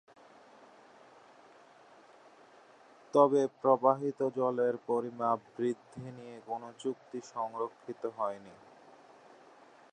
তবে প্রবাহিত জলের পরিমাপ বৃদ্ধি নিয়ে কোনো চুক্তি সাক্ষরিত হয়নি।